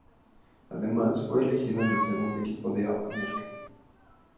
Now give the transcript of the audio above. Además, fue elegido en el segundo equipo del All-America.